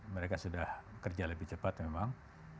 mereka sudah kerja lebih cepat memang